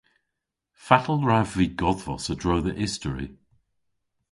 Fatel wrav vy godhvos a-dro dhe istori?